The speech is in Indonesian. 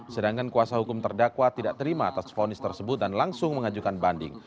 sedangkan kuasa hukum terdakwa tidak terima atas fonis tersebut dan langsung mengajukan banding